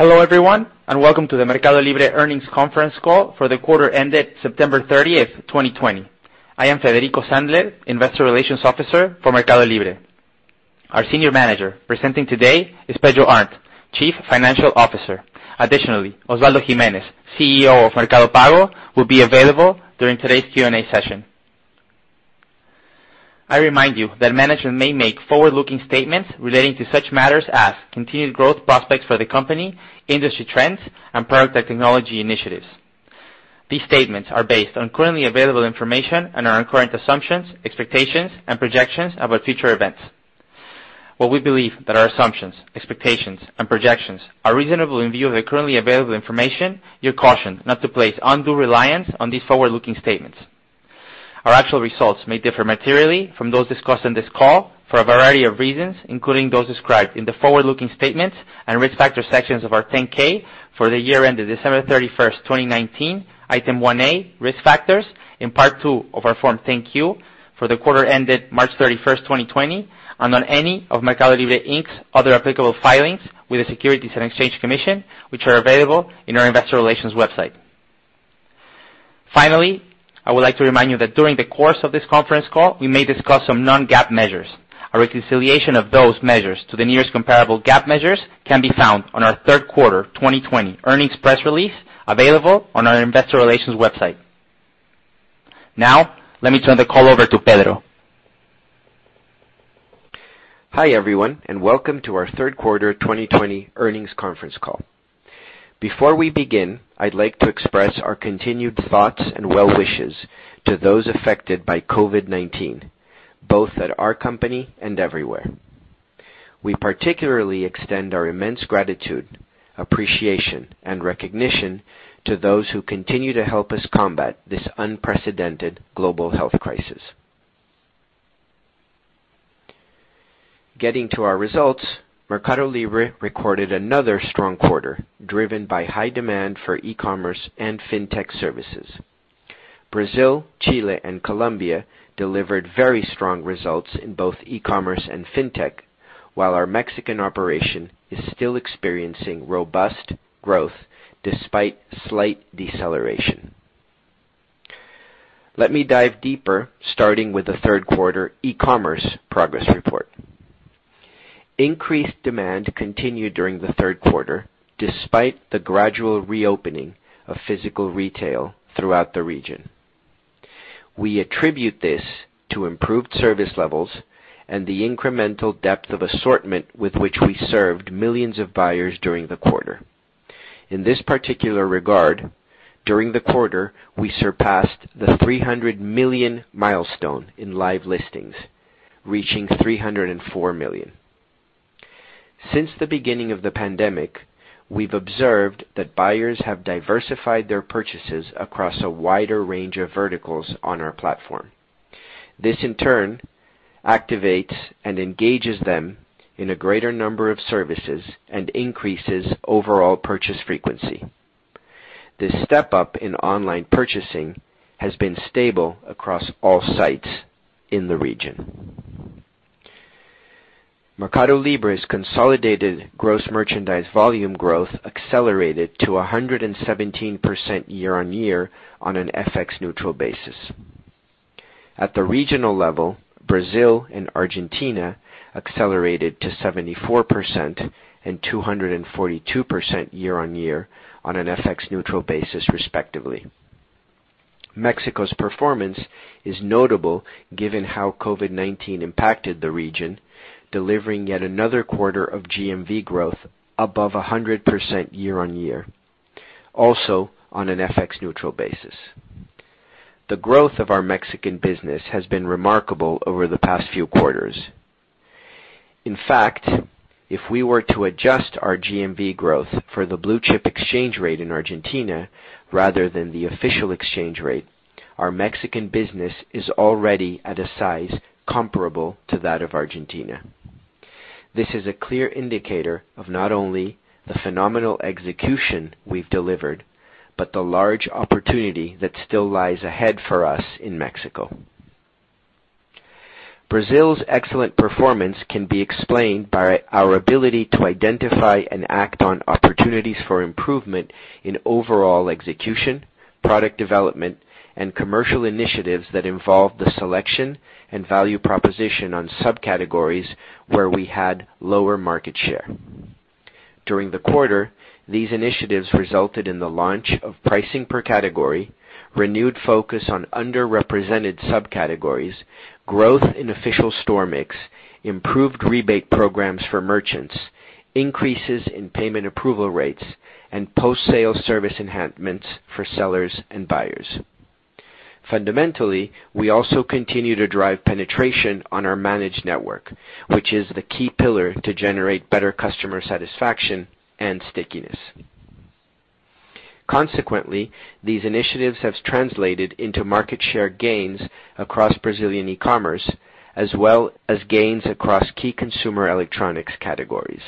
Hello, everyone, and welcome to the MercadoLibre earnings conference call for the quarter ended September 30th, 2020. I am Federico Sandler, investor relations officer for MercadoLibre. Our senior manager presenting today is Pedro Arnt, chief financial officer. Additionally, Osvaldo Giménez, CEO of Mercado Pago, will be available during today's Q&A session. I remind you that management may make forward-looking statements relating to such matters as continued growth prospects for the company, industry trends, and product technology initiatives. These statements are based on currently available information and are our current assumptions, expectations, and projections about future events. While we believe that our assumptions, expectations, and projections are reasonable in view of the currently available information, you're cautioned not to place undue reliance on these forward-looking statements. Our actual results may differ materially from those discussed on this call for a variety of reasons, including those described in the forward-looking statements and risk factor sections of our 10-K for the year ended December 31st, 2019, Item 1A, Risk Factors, in Part II of our Form 10-Q for the quarter ended March 31st, 2020, and on any of MercadoLibre, Inc.'s other applicable filings with the Securities and Exchange Commission, which are available in our investor relations website. I would like to remind you that during the course of this conference call, we may discuss some non-GAAP measures. A reconciliation of those measures to the nearest comparable GAAP measures can be found on our third quarter 2020 earnings press release, available on our investor relations website. Let me turn the call over to Pedro. Hi, everyone, and welcome to our third quarter 2020 earnings conference call. Before we begin, I'd like to express our continued thoughts and well wishes to those affected by COVID-19, both at our company and everywhere. We particularly extend our immense gratitude, appreciation, and recognition to those who continue to help us combat this unprecedented global health crisis. Getting to our results, MercadoLibre recorded another strong quarter, driven by high demand for e-commerce and FinTech services. Brazil, Chile, and Colombia delivered very strong results in both e-commerce and FinTech, while our Mexican operation is still experiencing robust growth despite slight deceleration. Let me dive deeper, starting with the third quarter e-commerce progress report. Increased demand continued during the third quarter, despite the gradual reopening of physical retail throughout the region. We attribute this to improved service levels and the incremental depth of assortment with which we served millions of buyers during the quarter. In this particular regard, during the quarter, we surpassed the 300 million milestone in live listings, reaching 304 million. Since the beginning of the pandemic, we've observed that buyers have diversified their purchases across a wider range of verticals on our platform. This in turn activates and engages them in a greater number of services and increases overall purchase frequency. This step-up in online purchasing has been stable across all sites in the region. MercadoLibre's consolidated gross merchandise volume growth accelerated to 117% year-on-year on an FX-neutral basis. At the regional level, Brazil and Argentina accelerated to 74% and 242% year-on-year on an FX-neutral basis, respectively. Mexico's performance is notable given how COVID-19 impacted the region, delivering yet another quarter of GMV growth above 100% year-on-year, also on an FX-neutral basis. The growth of our Mexican business has been remarkable over the past few quarters. In fact, if we were to adjust our GMV growth for the blue chip exchange rate in Argentina rather than the official exchange rate, our Mexican business is already at a size comparable to that of Argentina. This is a clear indicator of not only the phenomenal execution we've delivered, but the large opportunity that still lies ahead for us in Mexico. Brazil's excellent performance can be explained by our ability to identify and act on opportunities for improvement in overall execution, product development, and commercial initiatives that involve the selection and value proposition on subcategories where we had lower market share. During the quarter, these initiatives resulted in the launch of pricing per category, renewed focus on underrepresented subcategories, growth in official store mix, improved rebate programs for merchants, increases in payment approval rates, and post-sale service enhancements for sellers and buyers. Fundamentally, we also continue to drive penetration on our managed network, which is the key pillar to generate better customer satisfaction and stickiness. Consequently, these initiatives have translated into market share gains across Brazilian e-commerce, as well as gains across key consumer electronics categories.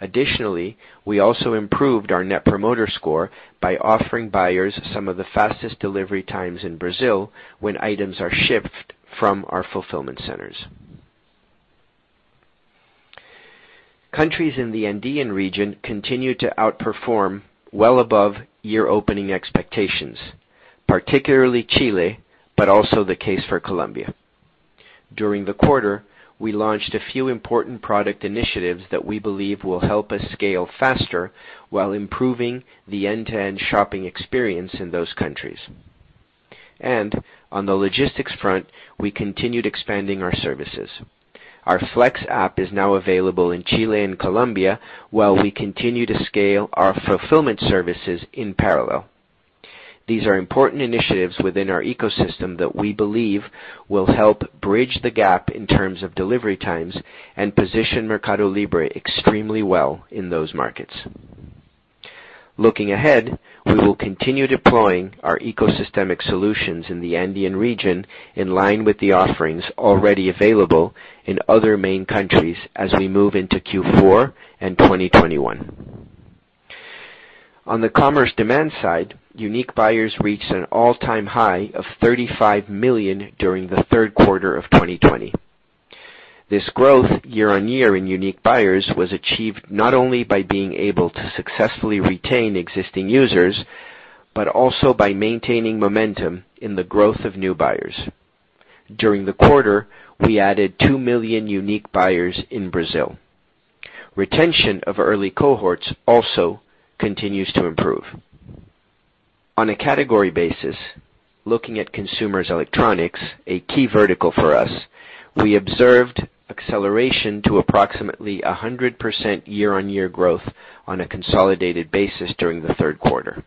Additionally, we also improved our net promoter score by offering buyers some of the fastest delivery times in Brazil when items are shipped from our fulfillment centers. Countries in the Andean region continue to outperform well above year-opening expectations, particularly Chile, but also the case for Colombia. During the quarter, we launched a few important product initiatives that we believe will help us scale faster while improving the end-to-end shopping experience in those countries. On the logistics front, we continued expanding our services. Our Flex app is now available in Chile and Colombia, while we continue to scale our fulfillment services in parallel. These are important initiatives within our ecosystem that we believe will help bridge the gap in terms of delivery times and position MercadoLibre extremely well in those markets. Looking ahead, we will continue deploying our ecosystemic solutions in the Andean region in line with the offerings already available in other main countries as we move into Q4 and 2021. On the commerce demand side, unique buyers reached an all-time high of 35 million during the third quarter of 2020. This growth year-on-year in unique buyers was achieved not only by being able to successfully retain existing users, but also by maintaining momentum in the growth of new buyers. During the quarter, we added 2 million unique buyers in Brazil. Retention of early cohorts also continues to improve. On a category basis, looking at consumer electronics, a key vertical for us, we observed acceleration to approximately 100% year-on-year growth on a consolidated basis during the third quarter.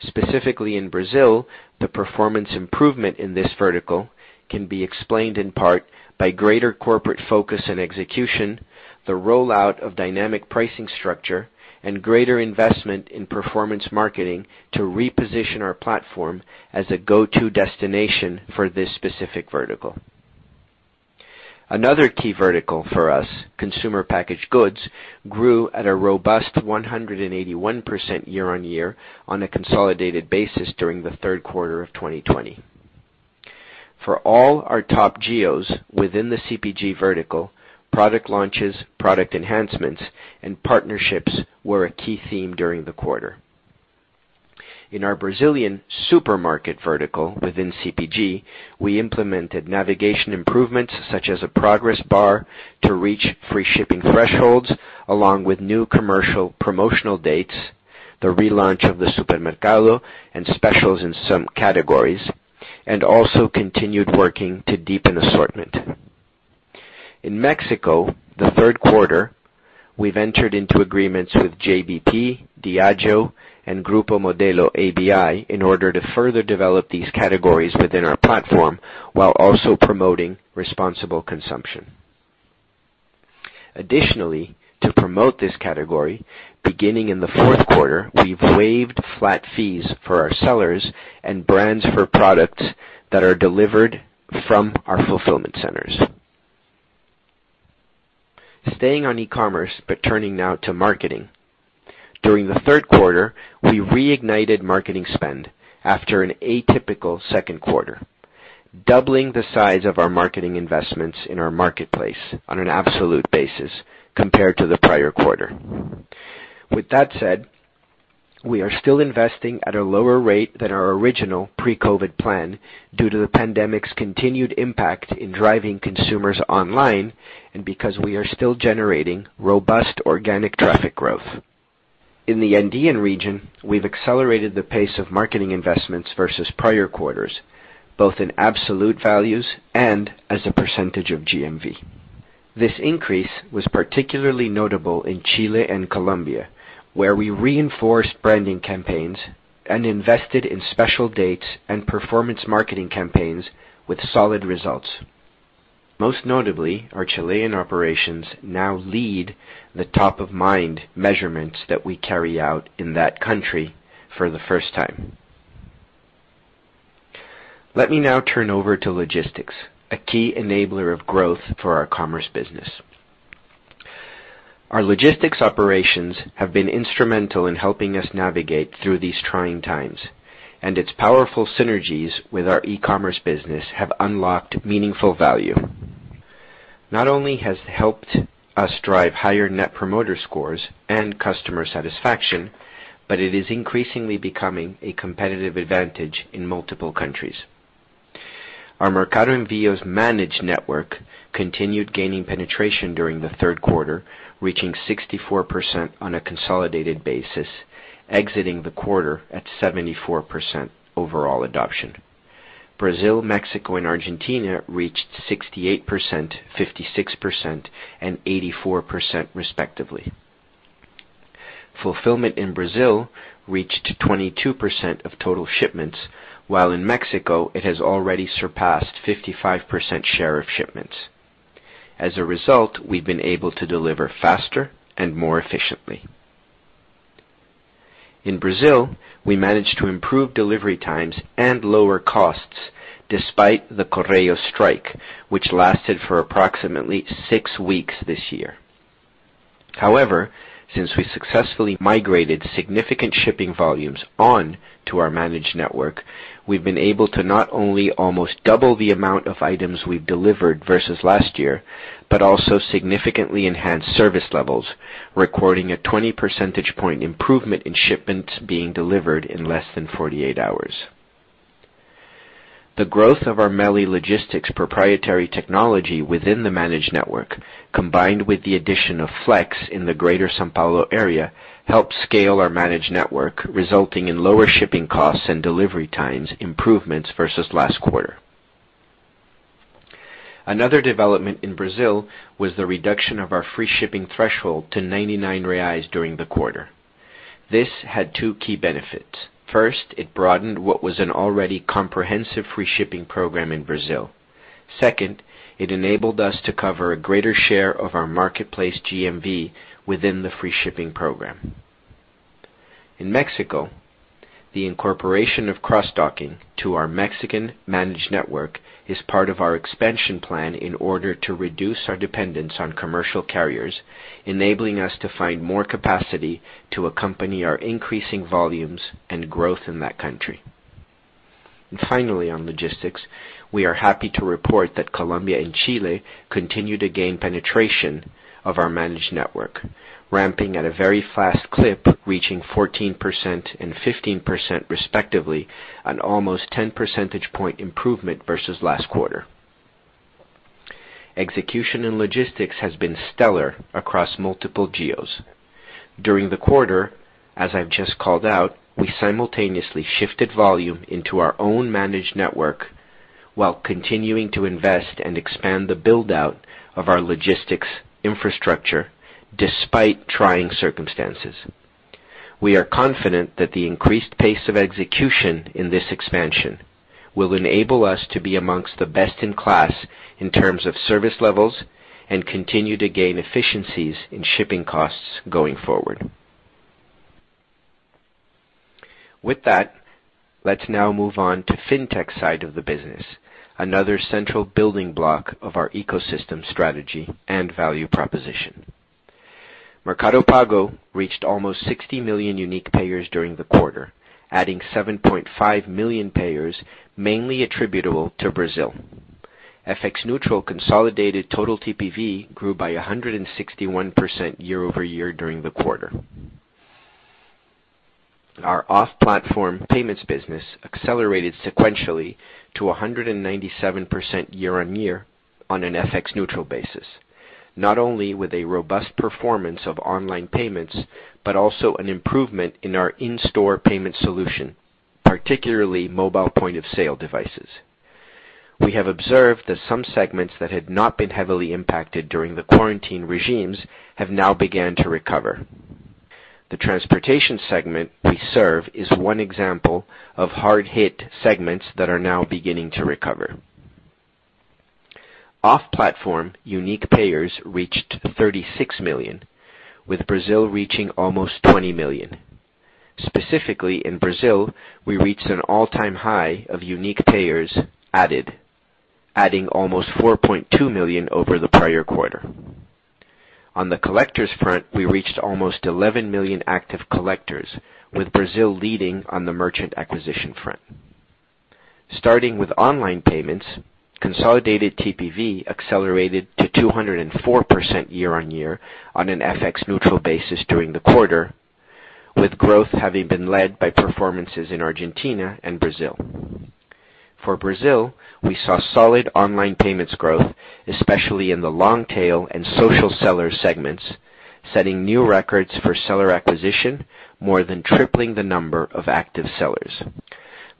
Specifically in Brazil, the performance improvement in this vertical can be explained in part by greater corporate focus and execution, the rollout of dynamic pricing structure, and greater investment in performance marketing to reposition our platform as a go-to destination for this specific vertical. Another key vertical for us, consumer packaged goods, grew at a robust 181% year-on-year on a consolidated basis during the third quarter of 2020. For all our top geos within the CPG vertical, product launches, product enhancements, and partnerships were a key theme during the quarter. In our Brazilian supermarket vertical within CPG, we implemented navigation improvements such as a progress bar to reach free shipping thresholds, along with new commercial promotional dates, the relaunch of the Supermercado, and specials in some categories, and also continued working to deepen assortment. In Mexico, the third quarter, we've entered into agreements with JBT, Diageo, and Grupo Modelo ABI in order to further develop these categories within our platform while also promoting responsible consumption. Additionally, to promote this category, beginning in the fourth quarter, we've waived flat fees for our sellers and brands for products that are delivered from our fulfillment centers. Staying on e-commerce, but turning now to marketing. During the third quarter, we reignited marketing spend after an atypical second quarter, doubling the size of our marketing investments in our marketplace on an absolute basis compared to the prior quarter. With that said, we are still investing at a lower rate than our original pre-COVID-19 plan due to the pandemic's continued impact in driving consumers online and because we are still generating robust organic traffic growth. In the Andean region, we've accelerated the pace of marketing investments versus prior quarters, both in absolute values and as a percentage of GMV. This increase was particularly notable in Chile and Colombia, where we reinforced branding campaigns and invested in special dates and performance marketing campaigns with solid results. Most notably, our Chilean operations now lead the top-of-mind measurements that we carry out in that country for the first time. Let me now turn over to logistics, a key enabler of growth for our commerce business. Our logistics operations have been instrumental in helping us navigate through these trying times, and its powerful synergies with our e-commerce business have unlocked meaningful value. Not only has it helped us drive higher net promoter scores and customer satisfaction, but it is increasingly becoming a competitive advantage in multiple countries. Our Mercado Envios Managed Network continued gaining penetration during the third quarter, reaching 64% on a consolidated basis, exiting the quarter at 74% overall adoption. Brazil, Mexico, and Argentina reached 68%, 56%, and 84% respectively. Fulfillment in Brazil reached 22% of total shipments, while in Mexico, it has already surpassed 55% share of shipments. As a result, we've been able to deliver faster and more efficiently. In Brazil, we managed to improve delivery times and lower costs despite the Correios strike, which lasted for approximately six weeks this year. Since we successfully migrated significant shipping volumes onto our managed network, we've been able to not only almost double the amount of items we've delivered versus last year, but also significantly enhance service levels, recording a 20 percentage point improvement in shipments being delivered in less than 48 hours. The growth of our Meli Logistics proprietary technology within the managed network, combined with the addition of Flex in the greater São Paulo area, helped scale our managed network, resulting in lower shipping costs and delivery times improvements versus last quarter. Another development in Brazil was the reduction of our free shipping threshold to 99 reais during the quarter. This had two key benefits. First, it broadened what was an already comprehensive free shipping program in Brazil. Second, it enabled us to cover a greater share of our marketplace GMV within the free shipping program. In Mexico, the incorporation of cross-docking to our Mexican managed network is part of our expansion plan in order to reduce our dependence on commercial carriers, enabling us to find more capacity to accompany our increasing volumes and growth in that country. Finally, on logistics, we are happy to report that Colombia and Chile continue to gain penetration of our managed network, ramping at a very fast clip, reaching 14% and 15% respectively, an almost 10 percentage point improvement versus last quarter. Execution in logistics has been stellar across multiple geos. During the quarter, as I've just called out, I simultaneously shifted volume into our own managed network while continuing to invest and expand the build-out of our logistics infrastructure despite trying circumstances. We are confident that the increased pace of execution in this expansion will enable us to be amongst the best in class in terms of service levels and continue to gain efficiencies in shipping costs going forward. With that, let's now move on to FinTech side of the business, another central building block of our ecosystem strategy and value proposition. Mercado Pago reached almost 60 million unique payers during the quarter, adding 7.5 million payers, mainly attributable to Brazil. FX-neutral consolidated total TPV grew by 161% year-over-year during the quarter. Our off-platform payments business accelerated sequentially to 197% year-on-year on an FX-neutral basis, not only with a robust performance of online payments, but also an improvement in our in-store payment solution, particularly mobile point-of-sale devices. We have observed that some segments that had not been heavily impacted during the quarantine regimes have now began to recover. The transportation segment we serve is one example of hard-hit segments that are now beginning to recover. Off-platform unique payers reached 36 million, with Brazil reaching almost 20 million. Specifically in Brazil, we reached an all-time high of unique payers added, adding almost 4.2 million over the prior quarter. On the collectors front, we reached almost 11 million active collectors, with Brazil leading on the merchant acquisition front. Starting with online payments, consolidated TPV accelerated to 204% year-over-year on an FX-neutral basis during the quarter, with growth having been led by performances in Argentina and Brazil. For Brazil, we saw solid online payments growth, especially in the long-tail and social seller segments, setting new records for seller acquisition, more than tripling the number of active sellers.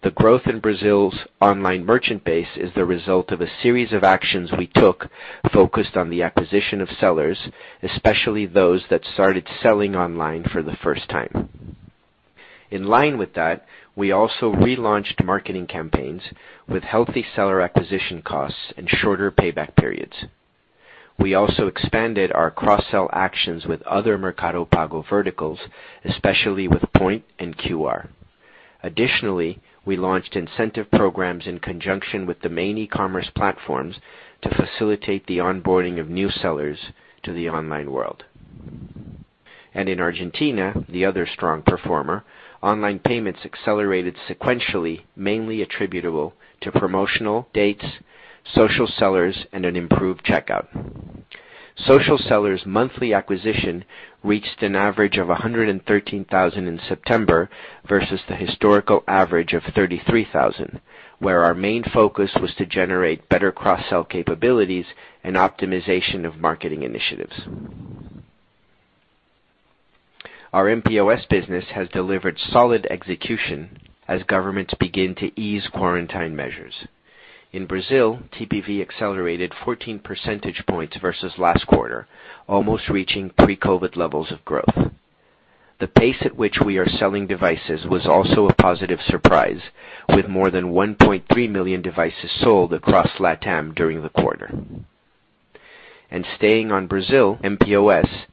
The growth in Brazil's online merchant base is the result of a series of actions we took focused on the acquisition of sellers, especially those that started selling online for the first time. In line with that, we also relaunched marketing campaigns with healthy seller acquisition costs and shorter payback periods. We also expanded our cross-sell actions with other Mercado Pago verticals, especially with Point and QR. Additionally, we launched incentive programs in conjunction with the main e-commerce platforms to facilitate the onboarding of new sellers to the online world. In Argentina, the other strong performer, online payments accelerated sequentially, mainly attributable to promotional dates, social sellers, and an improved checkout. Social sellers monthly acquisition reached an average of 113,000 in September versus the historical average of 33,000, where our main focus was to generate better cross-sell capabilities and optimization of marketing initiatives. Our mPOS business has delivered solid execution as governments begin to ease quarantine measures. In Brazil, TPV accelerated 14 percentage points versus last quarter, almost reaching pre-COVID levels of growth. The pace at which we are selling devices was also a positive surprise, with more than 1.3 million devices sold across LatAm during the quarter. Staying on Brazil mPOS,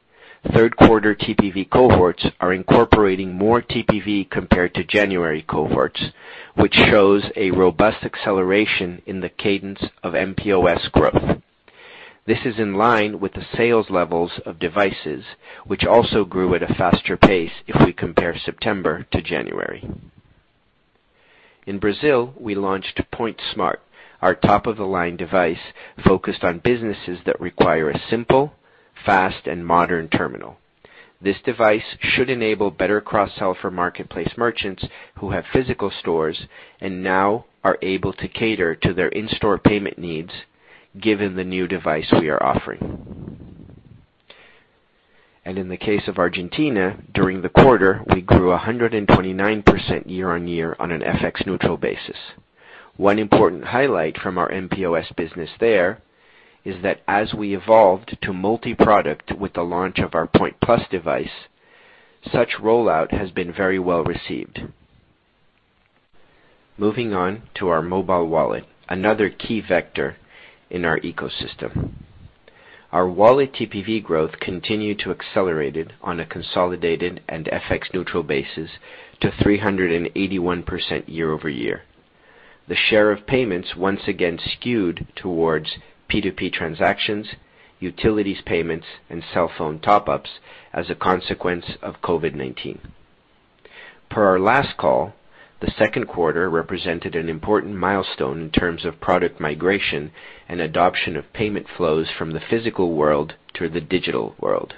third quarter TPV cohorts are incorporating more TPV compared to January cohorts, which shows a robust acceleration in the cadence of mPOS growth. This is in line with the sales levels of devices, which also grew at a faster pace if we compare September to January. In Brazil, we launched Point Smart, our top-of-the-line device focused on businesses that require a simple, fast and modern terminal. This device should enable better cross-sell for marketplace merchants who have physical stores and now are able to cater to their in-store payment needs, given the new device we are offering. In the case of Argentina, during the quarter, we grew 129% year-on-year on an FX-neutral basis. One important highlight from our mPOS business there is that as we evolved to multi-product with the launch of our Point Plus device, such rollout has been very well received. Moving on to our mobile wallet, another key vector in our ecosystem. Our wallet TPV growth continued to accelerated on a consolidated and FX-neutral basis to 381% year-over-year. The share of payments once again skewed towards P2P transactions, utilities payments, and cell phone top-ups as a consequence of COVID-19. Per our last call, the second quarter represented an important milestone in terms of product migration and adoption of payment flows from the physical world to the digital world.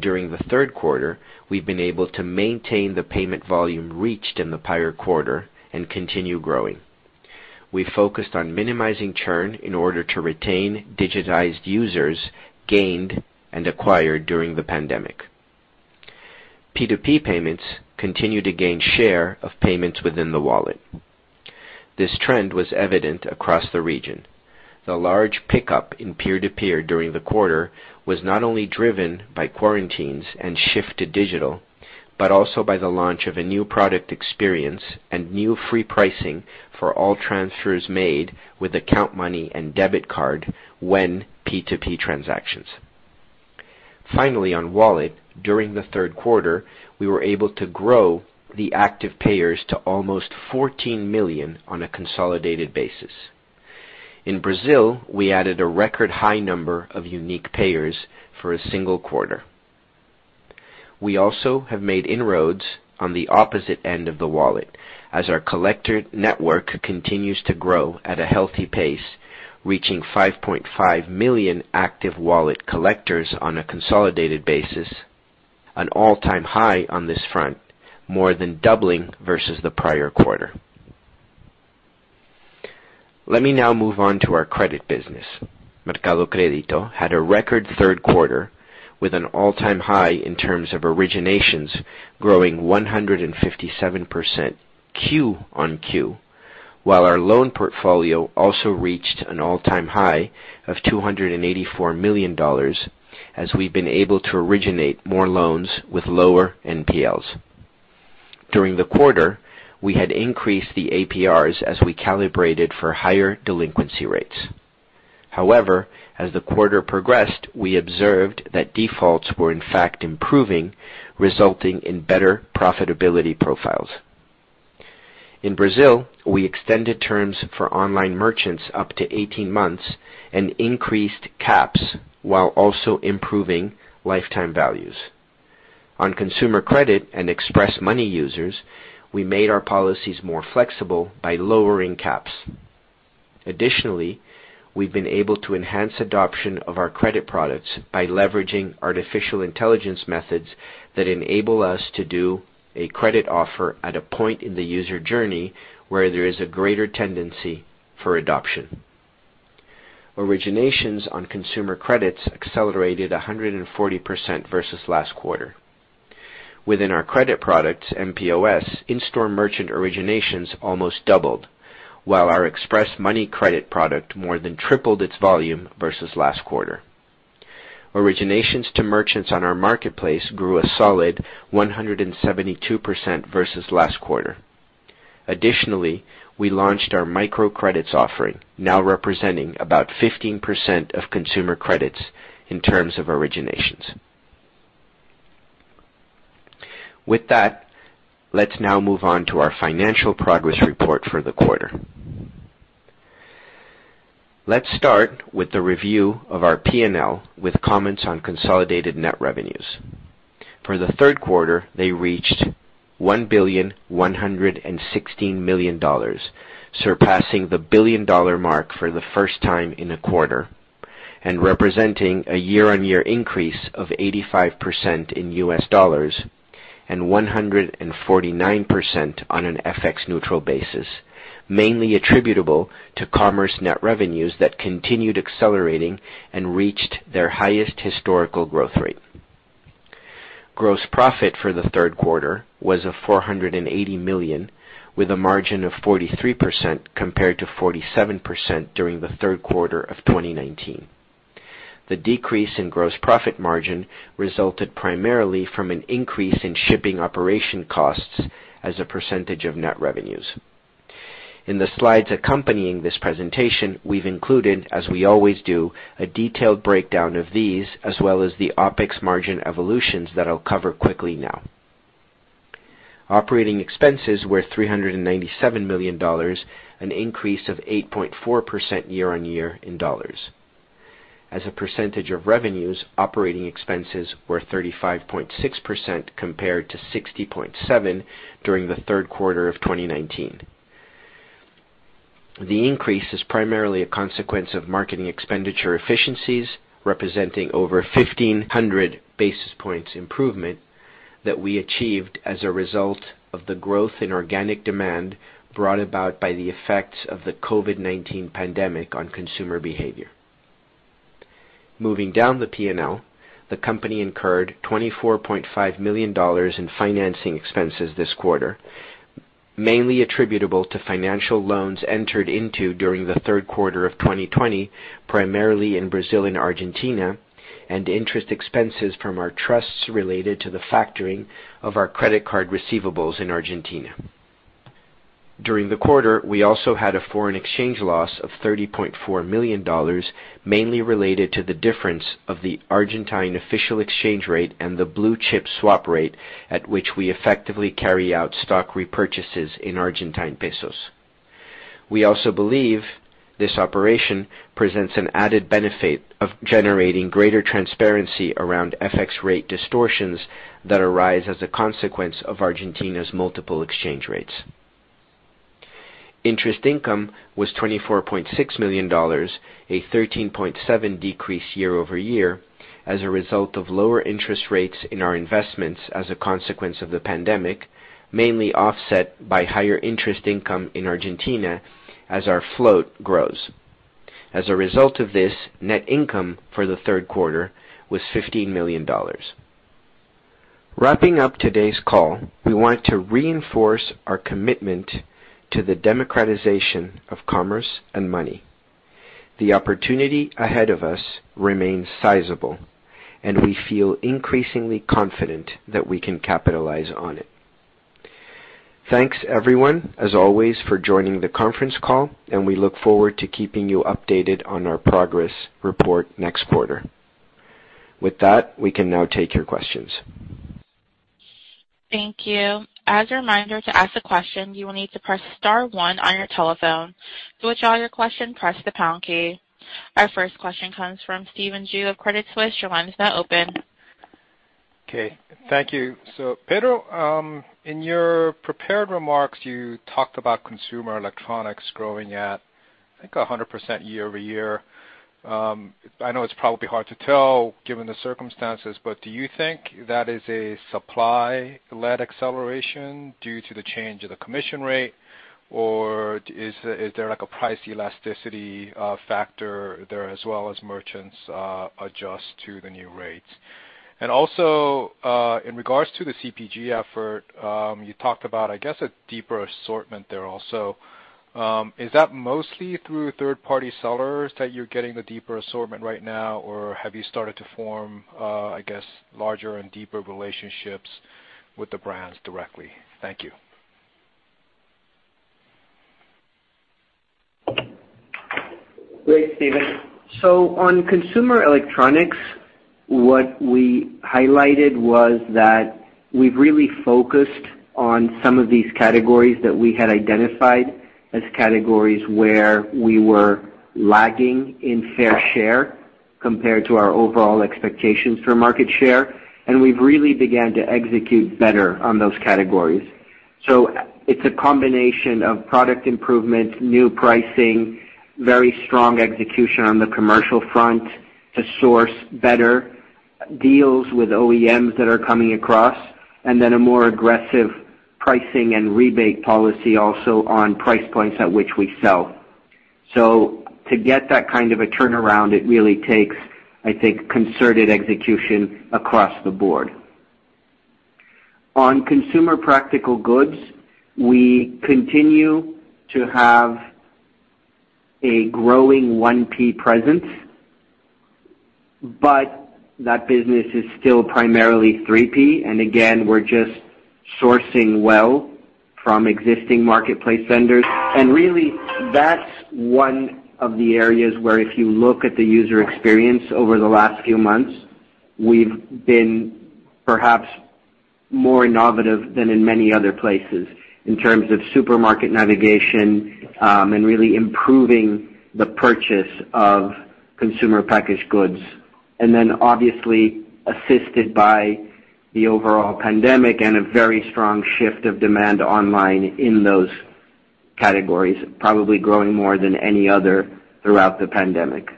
During the third quarter, we've been able to maintain the payment volume reached in the prior quarter and continue growing. We focused on minimizing churn in order to retain digitized users gained and acquired during the pandemic. P2P payments continue to gain share of payments within the wallet. This trend was evident across the region. The large pickup in peer-to-peer during the quarter was not only driven by quarantines and shift to digital, but also by the launch of a new product experience and new free pricing for all transfers made with account money and debit card when P2P transactions. Finally, on wallet, during the third quarter, we were able to grow the active payers to almost 14 million on a consolidated basis. In Brazil, we added a record high number of unique payers for a single quarter. We also have made inroads on the opposite end of the wallet, as our collector network continues to grow at a healthy pace, reaching 5.5 million active wallet collectors on a consolidated basis, an all-time high on this front, more than doubling versus the prior quarter. Let me now move on to our credit business. Mercado Crédito had a record third quarter with an all-time high in terms of originations growing 157% Q-on-Q, while our loan portfolio also reached an all-time high of $284 million as we've been able to originate more loans with lower NPLs. During the quarter, we had increased the APRs as we calibrated for higher delinquency rates. However, as the quarter progressed, we observed that defaults were in fact improving, resulting in better profitability profiles. In Brazil, we extended terms for online merchants up to 18 months and increased caps while also improving lifetime values. On consumer credit and Express Money users, we made our policies more flexible by lowering caps. Additionally, we've been able to enhance adoption of our credit products by leveraging artificial intelligence methods that enable us to do a credit offer at a point in the user journey where there is a greater tendency for adoption. Originations on consumer credits accelerated 140% versus last quarter. Within our credit products, mPOS, in-store merchant originations almost doubled, while our Express Money credit product more than tripled its volume versus last quarter. Originations to merchants on our marketplace grew a solid 172% versus last quarter. Additionally, we launched our microcredits offering, now representing about 15% of consumer credits in terms of originations. With that, let's now move on to our financial progress report for the quarter. Let's start with the review of our P&L with comments on consolidated net revenues. For the third quarter, they reached $1,116,000,000, surpassing the billion-dollar mark for the first time in a quarter, and representing a year-on-year increase of 85% in US dollars and 149% on an FX-neutral basis, mainly attributable to commerce net revenues that continued accelerating and reached their highest historical growth rate. Gross profit for the third quarter was a $480 million, with a margin of 43% compared to 47% during the third quarter of 2019. The decrease in gross profit margin resulted primarily from an increase in shipping operation costs as a percentage of net revenues. In the slides accompanying this presentation, we've included, as we always do, a detailed breakdown of these, as well as the OPEX margin evolutions that I'll cover quickly now. Operating expenses were $397 million, an increase of 8.4% year-on-year in dollars. As a percentage of revenues, operating expenses were 35.6% compared to 60.7% during the third quarter of 2019. The increase is primarily a consequence of marketing expenditure efficiencies representing over 1,500 basis points improvement that we achieved as a result of the growth in organic demand brought about by the effects of the COVID-19 pandemic on consumer behavior. Moving down the P&L, the company incurred $24.5 million in financing expenses this quarter, mainly attributable to financial loans entered into during the third quarter of 2020, primarily in Brazil and Argentina, and interest expenses from our trusts related to the factoring of our credit card receivables in Argentina. During the quarter, we also had a foreign exchange loss of $30.4 million, mainly related to the difference of the Argentine official exchange rate and the blue chip swap rate at which we effectively carry out stock repurchases in Argentine pesos. We also believe this operation presents an added benefit of generating greater transparency around FX rate distortions that arise as a consequence of Argentina's multiple exchange rates. Interest income was $24.6 million, a 13.7% decrease year-over-year as a result of lower interest rates in our investments as a consequence of the pandemic, mainly offset by higher interest income in Argentina as our float grows. As a result of this, net income for the third quarter was $15 million. Wrapping up today's call, we want to reinforce our commitment to the democratization of commerce and money. The opportunity ahead of us remains sizable, and we feel increasingly confident that we can capitalize on it. Thanks, everyone, as always, for joining the conference call and we look forward to keeping you updated on our progress report next quarter. With that, we can now take your questions. Thank you. As a reminder, to ask a question, you will need to press star one on your telephone. To withdraw your question, press the pound key. Our first question comes from Stephen Ju of Credit Suisse. Your line is now open. Okay, thank you. Pedro, in your prepared remarks, you talked about consumer electronics growing at, I think, 100% year-over-year. I know it's probably hard to tell given the circumstances, do you think that is a supply-led acceleration due to the change of the commission rate? Is there a price elasticity factor there as well as merchants adjust to the new rates? In regards to the CPG effort, you talked about, I guess, a deeper assortment there also. Is that mostly through third-party sellers that you're getting the deeper assortment right now? Have you started to form larger and deeper relationships with the brands directly? Thank you. Great, Stephen. On consumer electronics, what we highlighted was that we've really focused on some of these categories that we had identified as categories where we were lagging in fair share compared to our overall expectations for market share, and we've really began to execute better on those categories. It's a combination of product improvement, new pricing, very strong execution on the commercial front to source better deals with OEMs that are coming across, and then a more aggressive pricing and rebate policy also on price points at which we sell. To get that kind of a turnaround, it really takes, I think, concerted execution across the board. On consumer practical goods, we continue to have a growing 1P presence, but that business is still primarily 3P. Again, we're just sourcing well from existing marketplace vendors. Really, that's one of the areas where if you look at the user experience over the last few months, we've been perhaps more innovative than in many other places in terms of supermarket navigation, and really improving the purchase of consumer packaged goods. Obviously assisted by the overall pandemic and a very strong shift of demand online in those categories, probably growing more than any other throughout the pandemic.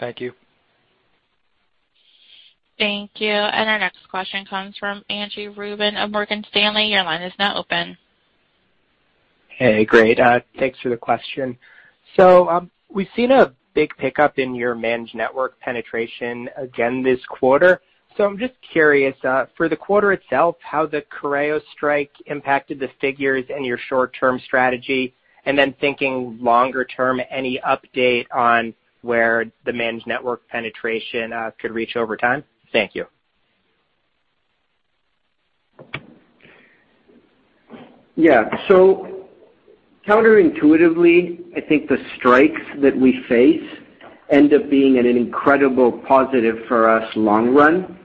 Thank you. Thank you. Our next question comes from Andrew Ruben of Morgan Stanley. Your line is now open. Hey, great. Thanks for the question. We've seen a big pickup in your managed network penetration again this quarter. I'm just curious, for the quarter itself, how the Correios strike impacted the figures and your short-term strategy, and then thinking longer term, any update on where the managed network penetration could reach over time? Thank you. Yeah. Counterintuitively, I think the strikes that we face end up being an incredible positive for us long run,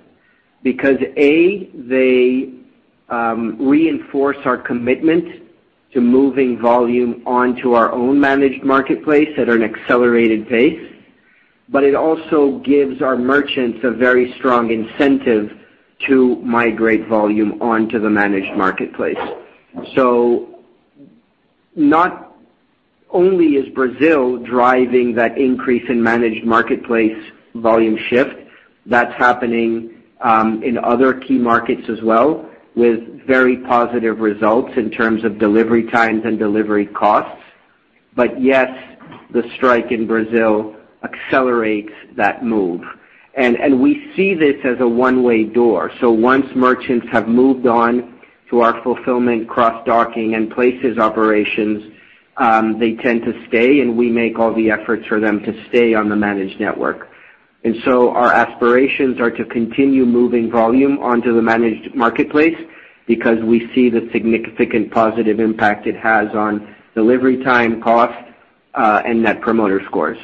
because, A, they reinforce our commitment to moving volume onto our own managed marketplace at an accelerated pace, it also gives our merchants a very strong incentive to migrate volume onto the managed marketplace. Not only is Brazil driving that increase in managed marketplace volume shift, that's happening in other key markets as well, with very positive results in terms of delivery times and delivery costs. Yes, the strike in Brazil accelerates that move. Once merchants have moved on to our fulfillment, cross-docking, and MELI Places operations, they tend to stay, and we make all the efforts for them to stay on the managed network. Our aspirations are to continue moving volume onto the managed marketplace because we see the significant positive impact it has on delivery time, cost, and Net Promoter Scores.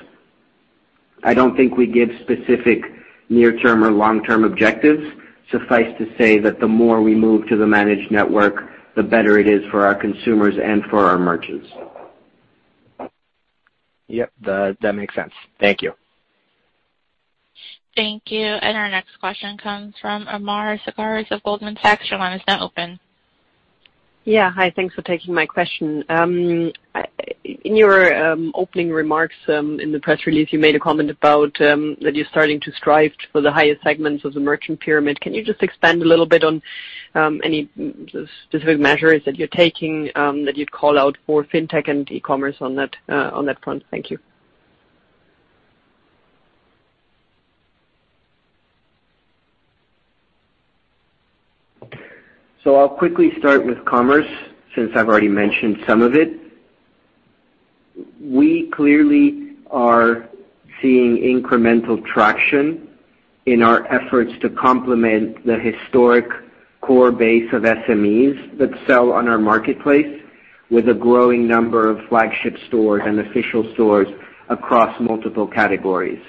I don't think we give specific near-term or long-term objectives. Suffice to say that the more we move to the managed network, the better it is for our consumers and for our merchants. Yep. That makes sense. Thank you. Thank you. Our next question comes from Irma Sgarz of Goldman Sachs. Your line is now open. Yeah. Hi. Thanks for taking my question. In your opening remarks in the press release, you made a comment about that you're starting to strive for the highest segments of the merchant pyramid. Can you just expand a little bit on any specific measures that you're taking, that you'd call out for FinTech and e-commerce on that front? Thank you. I'll quickly start with commerce, since I've already mentioned some of it. We clearly are seeing incremental traction in our efforts to complement the historic core base of SMEs that sell on our marketplace with a growing number of flagship stores and official stores across multiple categories.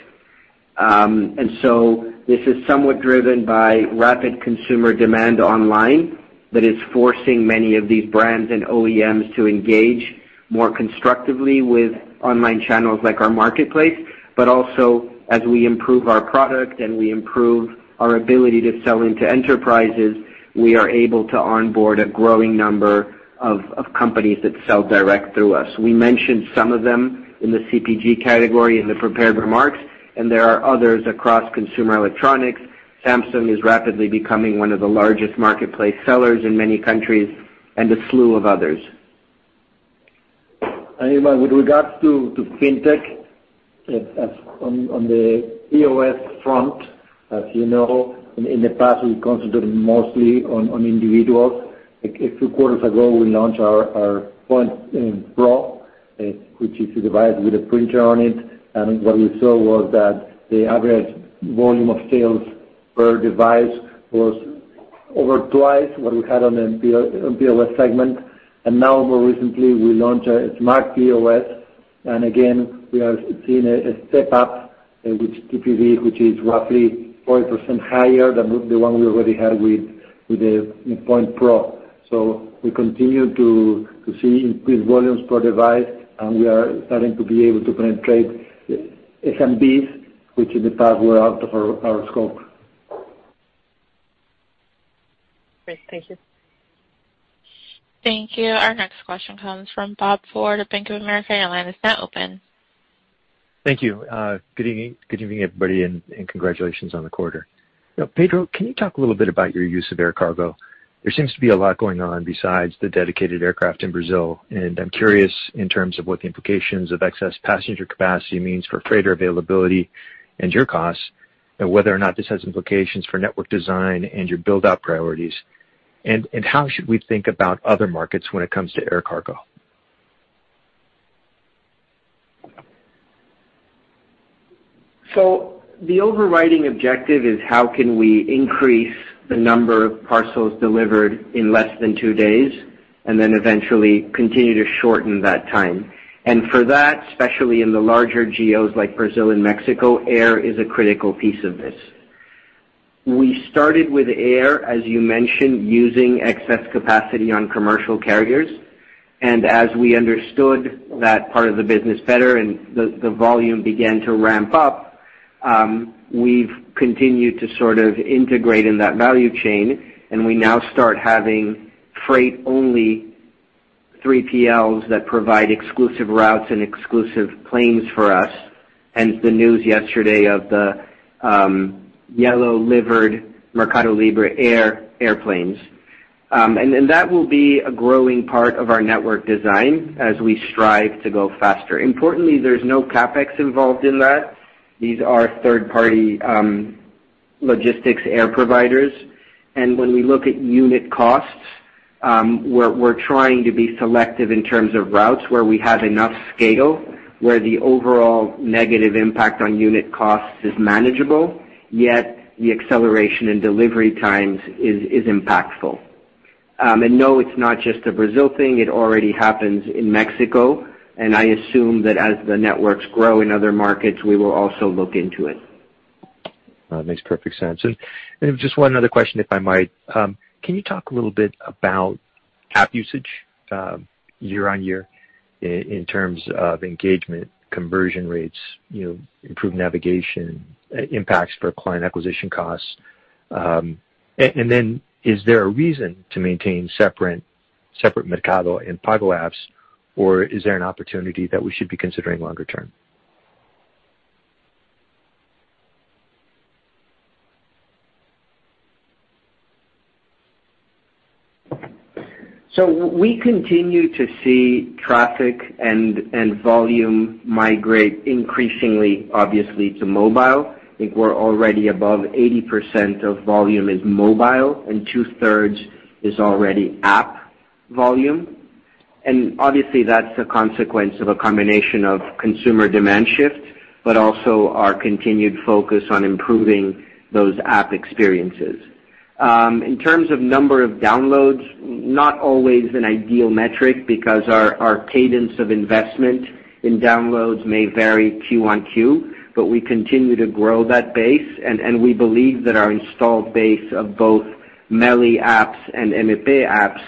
This is somewhat driven by rapid consumer demand online that is forcing many of these brands and OEMs to engage more constructively with online channels like our marketplace, but also as we improve our product and we improve our ability to sell into enterprises, we are able to onboard a growing number of companies that sell direct through us. We mentioned some of them in the CPG category in the prepared remarks, and there are others across consumer electronics. Samsung is rapidly becoming one of the largest marketplace sellers in many countries, and a slew of others. With regards to FinTech, on the POS front, as you know, in the past, we concentrated mostly on individuals. A few quarters ago, we launched our Point Pro, which is a device with a printer on it. What we saw was that the average volume of sales per device was over twice what we had on the POS segment. Now more recently, we launched a smart POS. Again, we are seeing a step-up with TPV, which is roughly 40% higher than the one we already had with the Point Pro. We continue to see increased volumes per device, and we are starting to be able to penetrate SMBs, which in the past were out of our scope. Great. Thank you. Thank you. Our next question comes from Bob Ford of Bank of America. Your line is now open. Thank you. Good evening, everybody, and congratulations on the quarter. Pedro, can you talk a little bit about your use of air cargo? There seems to be a lot going on besides the dedicated aircraft in Brazil, and I'm curious in terms of what the implications of excess passenger capacity means for freighter availability and your costs, and whether or not this has implications for network design and your build-out priorities. How should we think about other markets when it comes to air cargo? The overriding objective is how can we increase the number of parcels delivered in less than two days, then eventually continue to shorten that time. For that, especially in the larger geos like Brazil and Mexico, air is a critical piece of this. We started with air, as you mentioned, using excess capacity on commercial carriers. As we understood that part of the business better and the volume began to ramp up, we've continued to sort of integrate in that value chain, and we now start having freight-only 3PLs that provide exclusive routes and exclusive planes for us, hence the news yesterday of the yellow-liveried MercadoLibre airplanes. That will be a growing part of our network design as we strive to go faster. Importantly, there's no CapEx involved in that. These are third-party logistics air providers. When we look at unit costs, we're trying to be selective in terms of routes where we have enough scale, where the overall negative impact on unit costs is manageable, yet the acceleration in delivery times is impactful. No, it's not just a Brazil thing. It already happens in Mexico, and I assume that as the networks grow in other markets, we will also look into it. Makes perfect sense. Just one other question, if I might. Can you talk a little bit about app usage year-over-year in terms of engagement, conversion rates, improved navigation, impacts for client acquisition costs? Is there a reason to maintain separate Mercado and Pago apps or is there an opportunity that we should be considering longer term? We continue to see traffic and volume migrate increasingly, obviously, to mobile. I think we're already above 80% of volume is mobile and two-thirds is already app volume. Obviously, that's a consequence of a combination of consumer demand shift, but also our continued focus on improving those app experiences. In terms of number of downloads, not always an ideal metric because our cadence of investment in downloads may vary Q on Q, but we continue to grow that base and we believe that our installed base of both MELI apps and MP Pay apps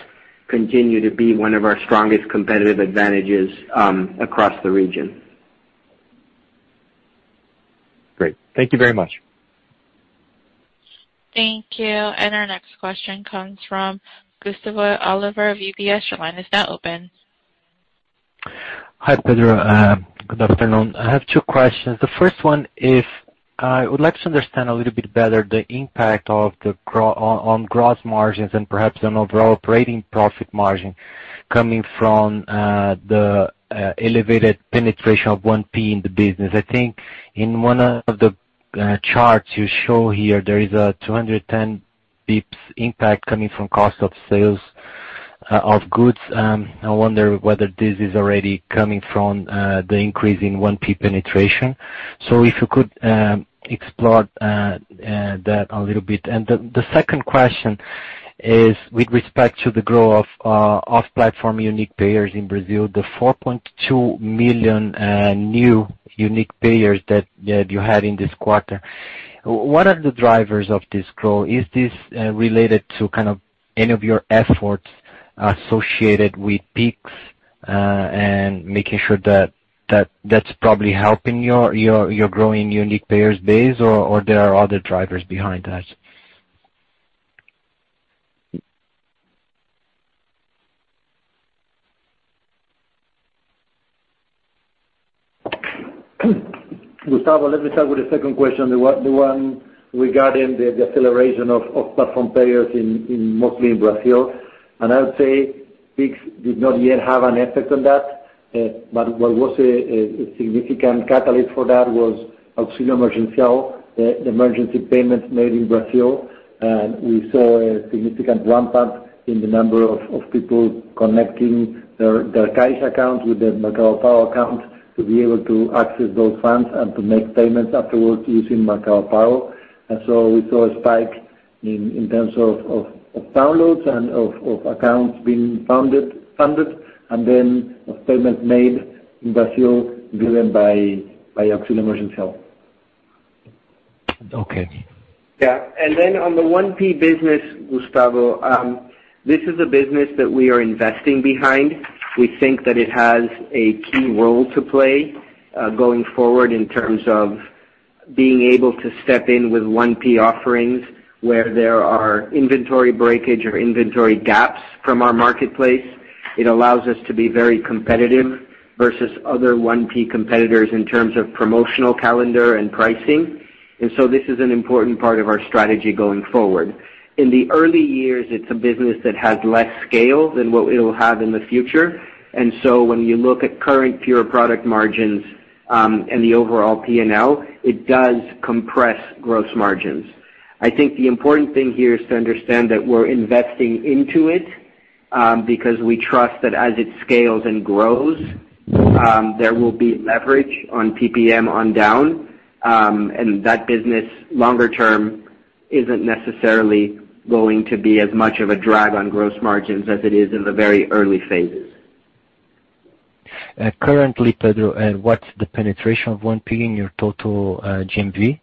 continue to be one of our strongest competitive advantages across the region. Great. Thank you very much. Thank you. Our next question comes from Gustavo Oliveira of UBS. Your line is now open. Hi, Pedro. Good afternoon. I have two questions. The first one is, I would like to understand a little bit better the impact on gross margins and perhaps on overall operating profit margin coming from the elevated penetration of 1P in the business. I think in one of the charts you show here, there is a 210 basis points impact coming from cost of sales of goods. I wonder whether this is already coming from the increase in 1P penetration. If you could explore that a little bit. The second question is with respect to the growth of off-platform unique payers in Brazil, the $4.2 million new unique payers that you had in this quarter. What are the drivers of this growth? Is this related to any of your efforts associated with Pix and making sure that's probably helping your growing unique payers base, or there are other drivers behind that? Gustavo, let me start with the second question, the one regarding the acceleration of off-platform payers mostly in Brazil. I would say Pix did not yet have an effect on that. What was a significant catalyst for that was Auxílio Emergencial, the emergency payments made in Brazil. We saw a significant ramp-up in the number of people connecting their Caixa account with their Mercado Pago account to be able to access those funds and to make payments afterwards using Mercado Pago. We saw a spike in terms of downloads and of accounts being funded, then of payments made in Brazil driven by Auxílio Emergencial. Okay. Yeah. On the 1P business, Gustavo, this is a business that we are investing behind. We think that it has a key role to play, going forward in terms of being able to step in with 1P offerings where there are inventory breakage or inventory gaps from our marketplace. It allows us to be very competitive versus other 1P competitors in terms of promotional calendar and pricing. This is an important part of our strategy going forward. In the early years, it's a business that had less scale than what it'll have in the future. When you look at current pure product margins, and the overall P&L, it does compress gross margins. I think the important thing here is to understand that we're investing into it, because we trust that as it scales and grows, there will be leverage on PPM on down. That business, longer term, isn't necessarily going to be as much of a drag on gross margins as it is in the very early phases. Currently, Pedro, what's the penetration of 1P in your total GMV?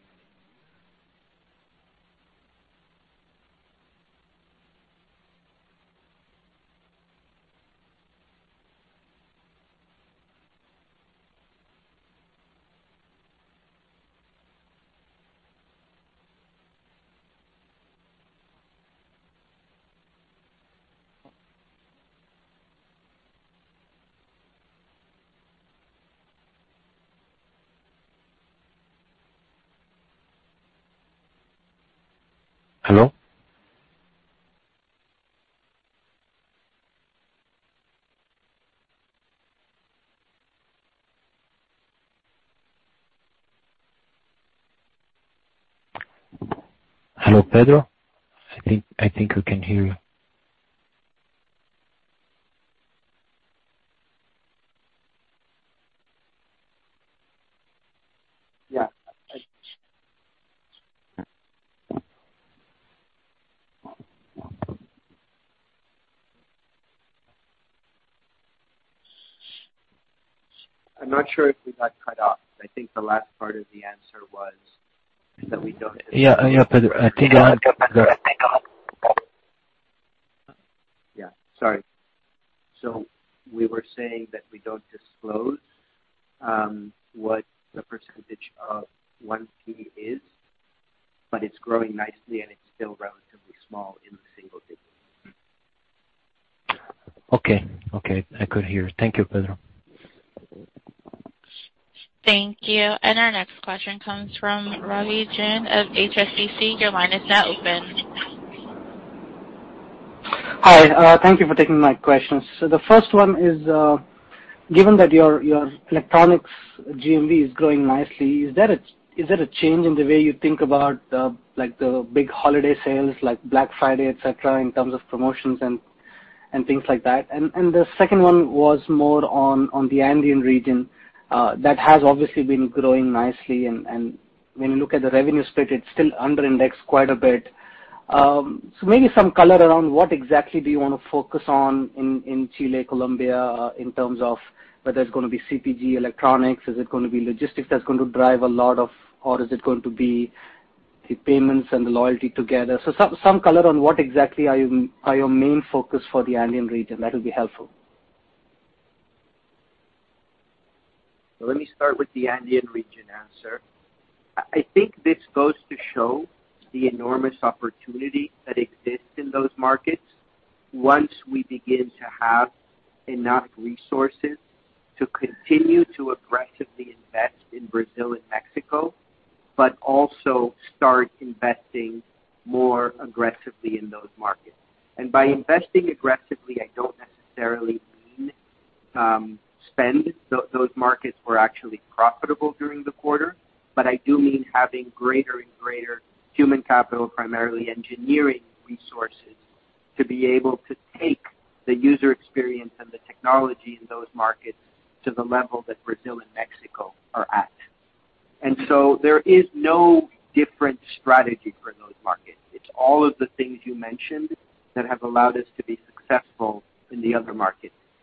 Hello? Hello, Pedro? I think we can hear you. Yeah. I'm not sure if we got cut off. I think the last part of the answer was that we don't. Yeah, Pedro. Yeah, sorry. We were saying that we don't disclose what the percentage of 1P is, but it's growing nicely, and it's still relatively small in the single digits. Okay. I could hear. Thank you, Pedro. Thank you. Our next question comes from Ravi Jain of HSBC. Your line is now open. Hi. Thank you for taking my questions. The first one is, given that your electronics GMV is growing nicely, is that a change in the way you think about the big holiday sales, like Black Friday, et cetera, in terms of promotions and things like that? The second one was more on the Andean region. That has obviously been growing nicely, and when you look at the revenue split, it's still under indexed quite a bit. Maybe some color around what exactly do you want to focus on in Chile, Colombia, in terms of whether it's going to be CPG, electronics. Is it going to be logistics that's going to drive a lot, or is it going to be the payments and the loyalty together? Some color on what exactly are your main focus for the Andean region. That'll be helpful. Let me start with the Andean region answer. I think this goes to show the enormous opportunity that exists in those markets once we begin to have enough resources to continue to aggressively invest in Brazil and Mexico, but also start investing more aggressively in those markets. By investing aggressively, I don't necessarily mean spend. Those markets were actually profitable during the quarter. I do mean having greater and greater human capital, primarily engineering resources, to be able to take the user experience and the technology in those markets to the level that Brazil and Mexico are at. There is no different strategy for those markets. It's all of the things you mentioned that have allowed us to be successful in the other markets.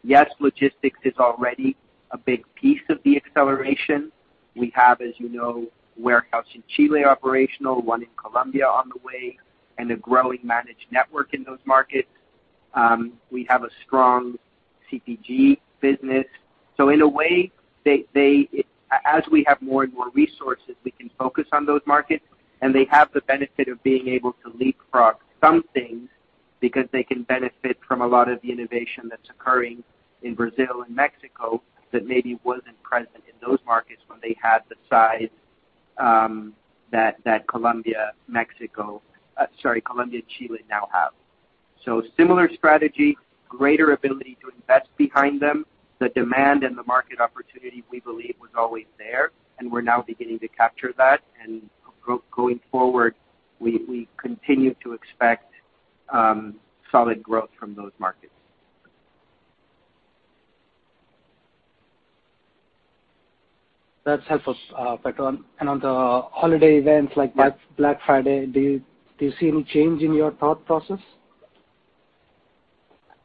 Yes, logistics is already a big piece of the acceleration. We have, as you know, warehouse in Chile operational, one in Colombia on the way, and a growing managed network in those markets. We have a strong CPG business. In a way, as we have more and more resources, we can focus on those markets, and they have the benefit of being able to leapfrog some things because they can benefit from a lot of the innovation that's occurring in Brazil and Mexico that maybe wasn't present in those markets when they had the size that Colombia, Chile now have. Similar strategy, greater ability to invest behind them. The demand and the market opportunity, we believe, was always there, and we're now beginning to capture that. Going forward, we continue to expect solid growth from those markets. That's helpful. Pedro, on the holiday events like Black Friday, do you see any change in your thought process?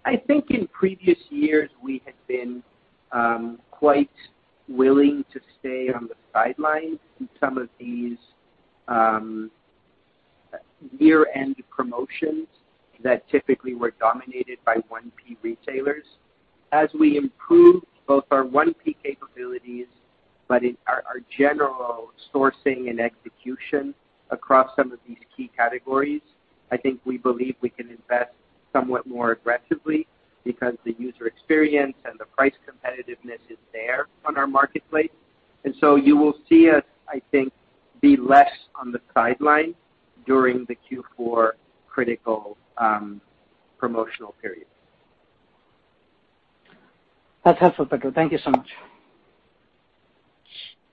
I think in previous years, we had been quite willing to stay on the sidelines in some of these year-end promotions that typically were dominated by 1P retailers. As we improved both our 1P capabilities, but our general sourcing and execution across some of these key categories, I think we believe we can invest somewhat more aggressively because the user experience and the price competitiveness is there on our marketplace. You will see us, I think, be less on the sideline during the Q4 critical promotional period. That's helpful, Pedro. Thank you so much.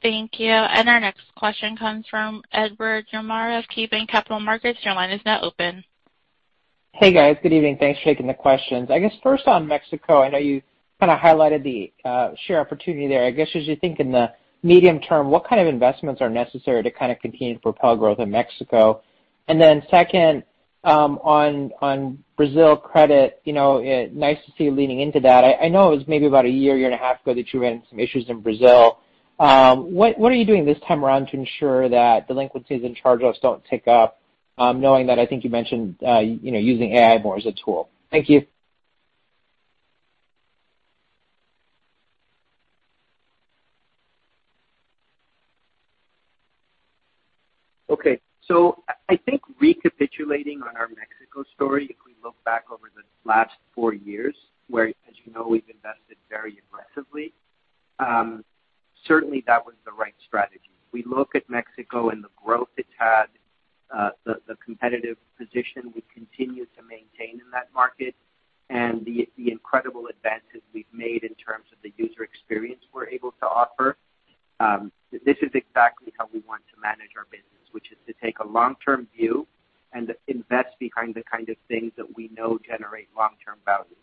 Thank you. Our next question comes from Edward Yruma of KeyBanc Capital Markets. Your line is now open. Hey, guys. Good evening. Thanks for taking the questions. I guess first on Mexico, I know you kind of highlighted the share opportunity there. I guess as you think in the medium term, what kind of investments are necessary to kind of continue to propel growth in Mexico? Second, on Brazil credit, nice to see you leaning into that. I know it was maybe about a year and a half ago, that you ran into some issues in Brazil. What are you doing this time around to ensure that delinquencies and charge-offs don't tick up, knowing that I think you mentioned using AI more as a tool? Thank you. Okay. I think recapitulating on our Mexico story, if we look back over the last four years, where, as you know, we've invested very aggressively. Certainly, that was the right strategy. We look at Mexico and the growth it's had, the competitive position we continue to maintain in that market, and the incredible advances we've made in terms of the user experience we're able to offer. This is exactly how we want to take a long-term view and invest behind the kind of things that we know generate long-term value.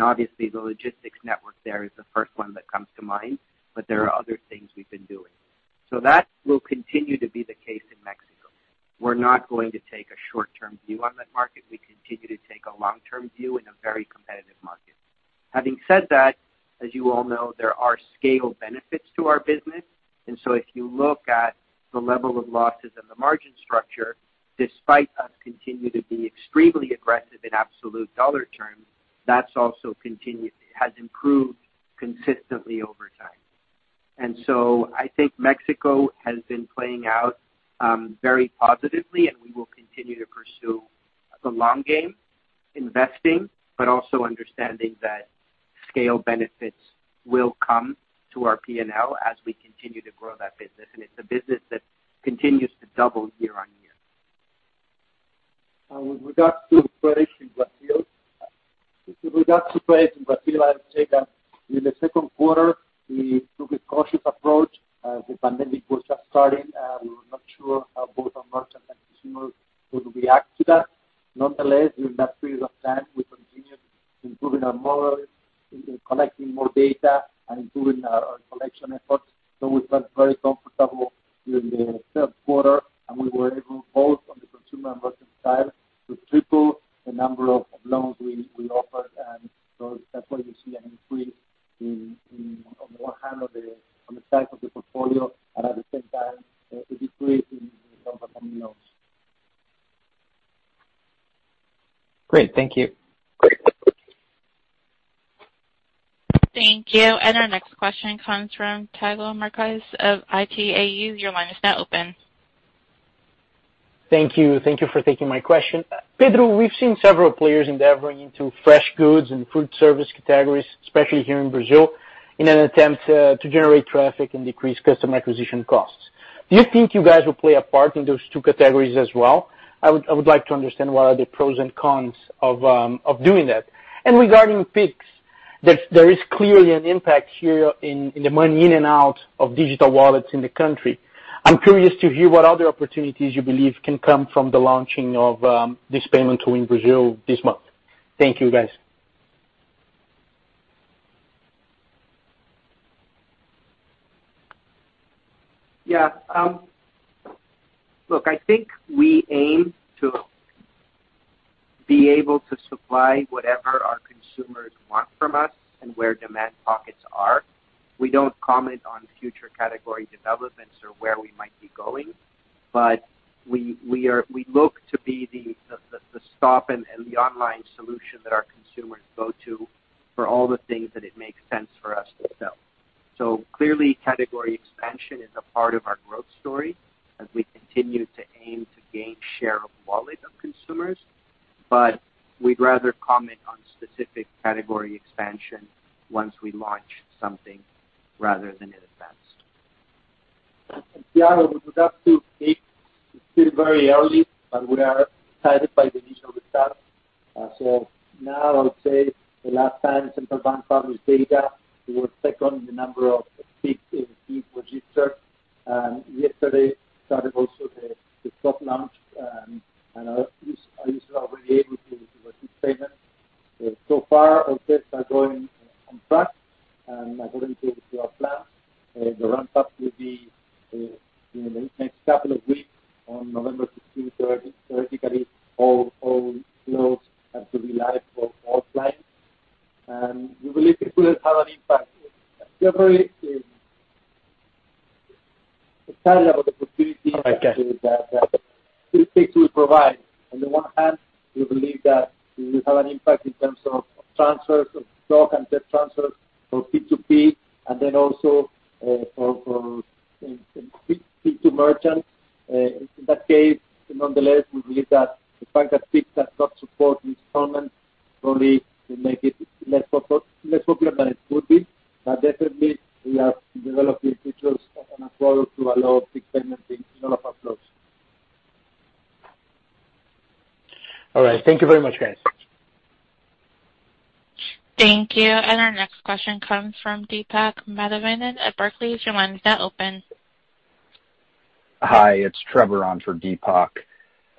Obviously the logistics network there is the first one that comes to mind, but there are other things we've been doing. That will continue to be the case in Mexico. We're not going to take a short-term view on that market. We continue to take a long-term view in a very competitive market. Having said that, as you all know, there are scale benefits to our business. If you look at the level of losses and the margin structure, despite us continue to be extremely aggressive in absolute dollar terms, that's also continued, has improved consistently over time. I think Mexico has been playing out very positively, and we will continue to pursue the long game, investing, but also understanding that scale benefits will come to our P&L as we continue to grow that business. It's a business that continues to double year on year. With regards to pace in Brazil, I would say that in the second quarter, we took a cautious approach as the pandemic was just starting. We were not sure how both our merchants and consumers would react to that. Nonetheless, in that period of time, we continued improving our models, collecting more data and improving our collection efforts. We felt very comfortable during the third quarter, and we were able, both on the consumer and merchant side, to triple the number of loans we offered. That's why you see an increase in, on the one hand, on the size of the portfolio and at the same time, a decrease in the number of loans. Great. Thank you. Thank you. Our next question comes from Thiago Macruz of Itaú. Your line is now open. Thank you. Thank you for taking my question. Pedro, we've seen several players endeavoring into fresh goods and food service categories, especially here in Brazil, in an attempt to generate traffic and decrease customer acquisition costs. Do you think you guys will play a part in those two categories as well? I would like to understand what are the pros and cons of doing that. Regarding Pix, there is clearly an impact here in the money in and out of digital wallets in the country. I'm curious to hear what other opportunities you believe can come from the launching of this payment tool in Brazil this month. Thank you, guys. Look, I think we aim to be able to supply whatever our consumers want from us and where demand pockets are. We don't comment on future category developments or where we might be going, but we look to be the stop and the online solution that our consumers go to for all the things that it makes sense for us to sell. Clearly, category expansion is a part of our growth story as we continue to aim to gain share of wallet of consumers, but we'd rather comment on specific category expansion once we launch something rather than in advance. Thiago, with regard to Pix, it's still very early, but we are excited by the initial results. Now I would say the last time Central Bank published data, we were second in the number of Pix registered. Yesterday started also the soft launch, and I used it already able to receive payments. So far, all tests are going on track and according to our plans. The ramp up will be in the next couple of weeks. On November 15th, theoretically, all flows have to be live for all clients. We believe it will have an impact. We are very excited about the opportunity. I get it. It will provide. On the one hand, we believe that it will have an impact in terms of transfers, of stock and debt transfers for P2P, and then also for P2 merchant. In that case, nonetheless, we believe that the fact that Pix does not support installments will make it less popular than it could be. Definitely we are developing features and a flow to allow Pix payments in all of our flows. All right. Thank you very much, guys. Thank you. Our next question comes from Deepak Mathivanan at Barclays. Your line is now open. Hi, it's Trevor on for Deepak.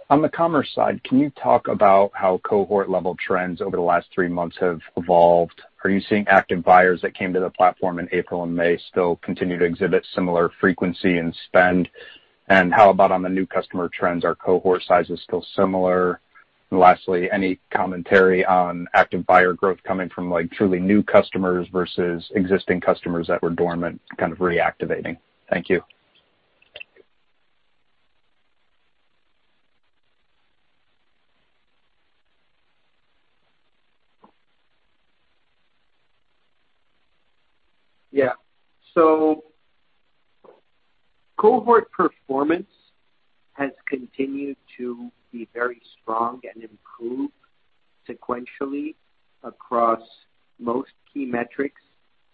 On the commerce side, can you talk about how cohort level trends over the last three months have evolved? Are you seeing active buyers that came to the platform in April and May still continue to exhibit similar frequency and spend? How about on the new customer trends? Are cohort sizes still similar? Lastly, any commentary on active buyer growth coming from truly new customers versus existing customers that were dormant kind of reactivating? Thank you. Yeah, cohort performance has continued to be very strong and improve sequentially across most key metrics.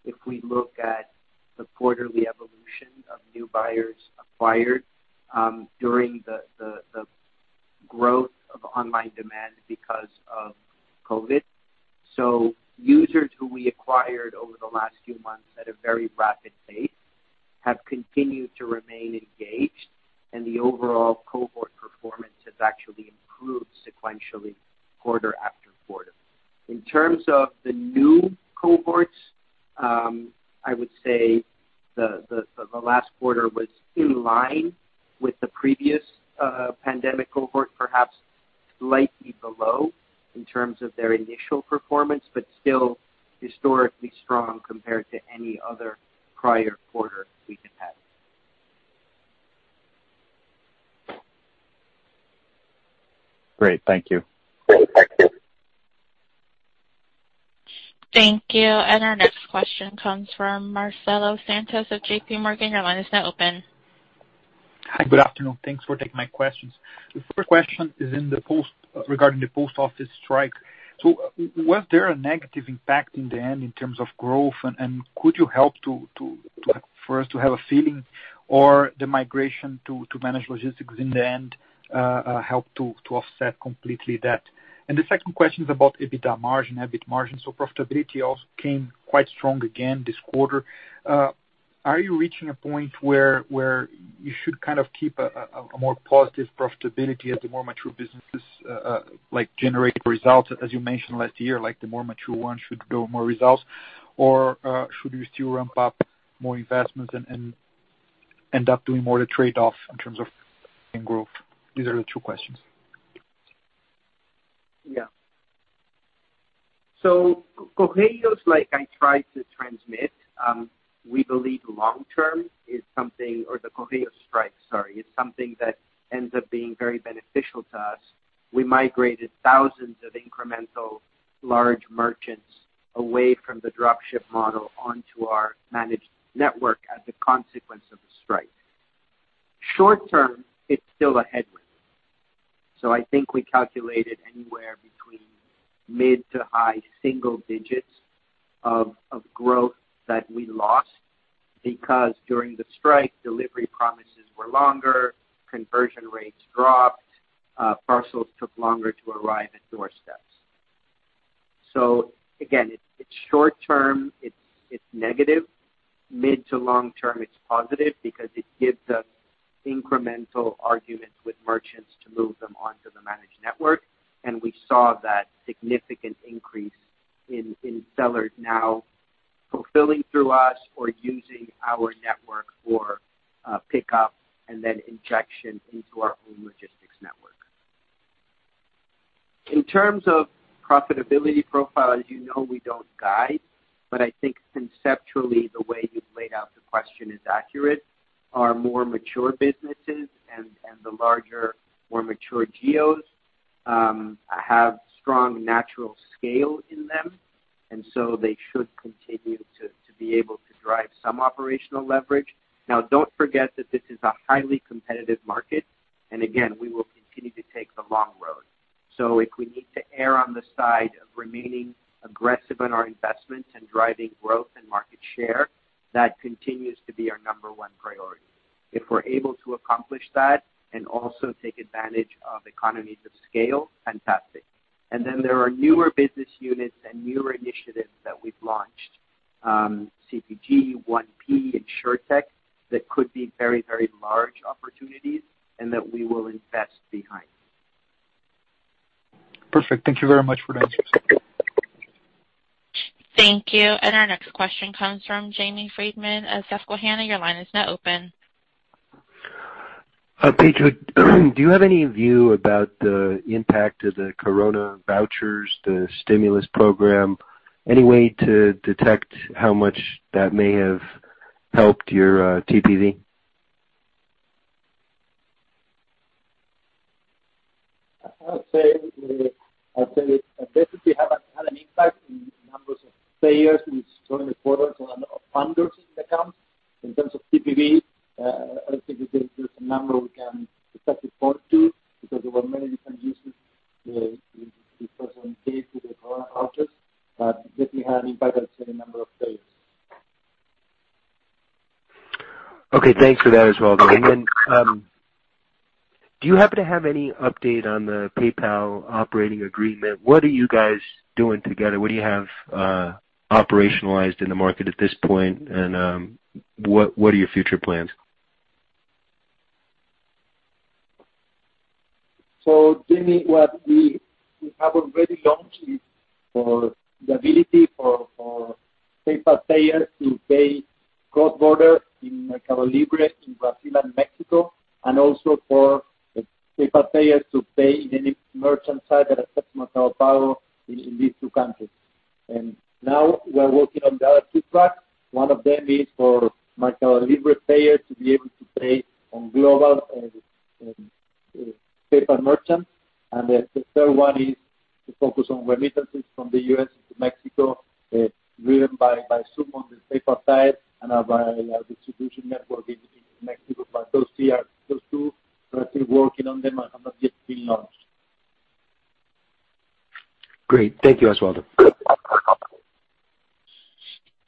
If we look at the quarterly evolution of new buyers acquired during the growth of online demand because of COVID-19, users who we acquired over the last few months at a very rapid pace have continued to remain engaged, and the overall cohort performance has actually improved sequentially quarter after quarter. In terms of the new cohorts, I would say the last quarter was in line with the previous pandemic cohort, perhaps slightly below in terms of their initial performance, but still historically strong compared to any other prior quarter we've had. Great. Thank you. Great. Thank you. Thank you. Our next question comes from Marcelo Santos of JPMorgan. Your line is now open. Hi, good afternoon. Thanks for taking my questions. The first question is regarding the Correios strike. Was there a negative impact in the end in terms of growth, and could you help for us to have a feeling or the migration to managed logistics in the end help to offset completely that? The second question is about EBITDA margin, EBIT margin. Profitability also came quite strong again this quarter. Are you reaching a point where you should keep a more positive profitability as the more mature businesses generate results? As you mentioned last year, the more mature ones should do more results, or should you still ramp up more investments and end up doing more of the trade-off in terms of growth? These are the two questions. Yeah. Correios, like I tried to transmit, we believe long term, the Correios strike, sorry, is something that ends up being very beneficial to us. We migrated thousands of incremental large merchants away from the drop ship model onto our managed network as a consequence of the strike. Short term, it's still a headwind. I think we calculated anywhere between mid to high single digits of growth that we lost because during the strike, delivery promises were longer, conversion rates dropped, parcels took longer to arrive at doorsteps. Again, it's short term, it's negative. Mid to long term, it's positive because it gives us incremental arguments with merchants to move them onto the managed network, and we saw that significant increase in sellers now fulfilling through us or using our network for pickup and then injection into our own logistics network. In terms of profitability profile, as you know, we don't guide, but I think conceptually the way you've laid out the question is accurate. Our more mature businesses and the larger, more mature geos have strong natural scale in them, and so they should continue to be able to drive some operational leverage. Now, don't forget that this is a highly competitive market, and again, we will continue to take the long road. If we need to err on the side of remaining aggressive in our investments and driving growth and market share, that continues to be our number one priority. If we're able to accomplish that and also take advantage of economies of scale, fantastic. There are newer business units and newer initiatives that we've launched, CPG, 1P, Insurtech, that could be very, very large opportunities and that we will invest behind. Perfect. Thank you very much for the answers. Thank you. Our next question comes from Jamie Friedman of Stifel Nicolaus. Your line is now open. Pedro, do you have any view about the impact of the Corona vouchers, the stimulus program? Any way to detect how much that may have helped your TPV? I'd say, basically had an impact in numbers of payers who joined the portal, so a number of funders accounts. In terms of TPV, I don't think there's a number we can exactly point to because there were many different uses in 2020 with coronavouchers, but definitely had an impact on the same number of payers. Okay. Thanks for that as well. Do you happen to have any update on the PayPal operating agreement? What are you guys doing together? What do you have operationalized in the market at this point, and what are your future plans? Jamie, what we have already launched is for the ability for PayPal payers to pay cross-border in MercadoLibre in Brazil and Mexico, and also for the PayPal payer to pay any merchant site that accepts Mercado Pago in these two countries. Now we are working on the other two tracks. One of them is for Mercado Libre payer to be able to pay on global PayPal merchants. The third one is to focus on remittances from the U.S. into Mexico, driven by Xoom on the PayPal side and our distribution network in Mexico. Those two are still working on them and have not yet been launched. Great. Thank you, Osvaldo. Thank you.